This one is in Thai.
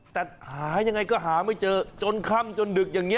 แต่หายังไงก็หาไม่เจอจนค่ำจนดึกอย่างนี้